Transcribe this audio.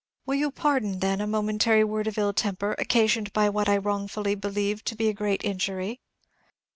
Will you pardon, then, a momentary word of ill temper, occasioned by what I wrongfully believed to be a great injury?"